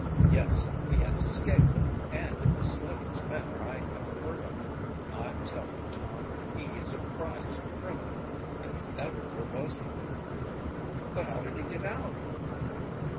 "Yes, he has escaped, and in the slickest manner I ever heard of. I tell you, Tom, he is a prize criminal, if ever there was one." "But how did he get out?"